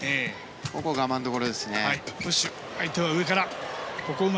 ここは我慢どころですね。